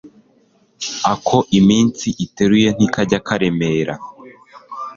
ako iminsi iteruye ntikajya karemera